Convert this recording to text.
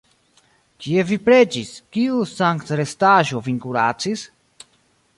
Kie vi preĝis, kiu sanktrestaĵo vin kuracis?